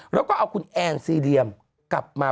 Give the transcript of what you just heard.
แล้วก็เอาคุณแอนซีเรียมกลับมา